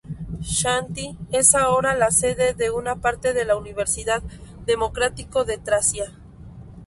Xanthi es ahora la sede de una parte de la Universidad Demócrito de Tracia.